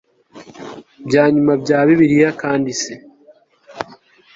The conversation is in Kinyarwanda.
bya nyuma bya bibiliya kandi se